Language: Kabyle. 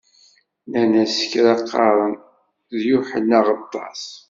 Nnan-as: Kra qqaren: d Yuḥenna Aɣeṭṭaṣ.